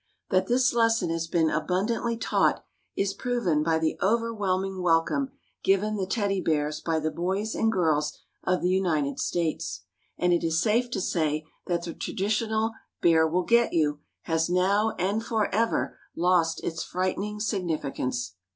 That this lesson has been abundantly taught is proven by the overwhelming welcome given the Teddy Bears by the boys and girls of the United States; and it is safe to say that the traditional " bear will get you " has now and forever lost its frightening significance.